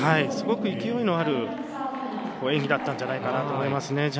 すごく勢いのある演技だったんじゃないかなと思いますね。